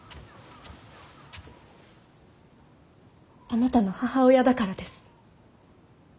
あなたの母親だからです。